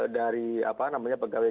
dari apa namanya pegawai